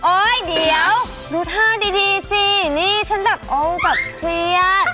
เดี๋ยวดูท่าดีสินี่ฉันแบบโอ้แบบเครียด